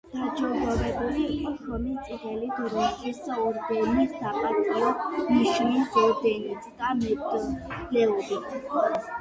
დაჯილდოვებული იყო შრომის წითელი დროშის ორდენით, „საპატიო ნიშნის“ ორდენით და მედლებით.